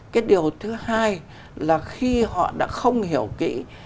cái điều thứ hai là khi họ đã không hiểu kỹ